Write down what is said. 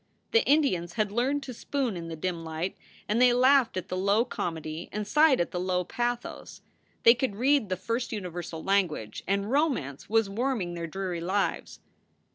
The Indians had learned to spoon in the dim light, and they laughed at the low comedy and sighed at the low pathos. They could read the first universal language, and romance was warming their dreary lives.